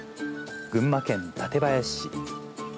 群馬県館林市。